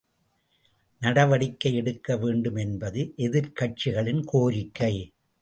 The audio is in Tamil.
நடவடிக்கை எடுக்க வேண்டும் என்பது எதிர்க்கட்சிகளின் கோரிக்கை!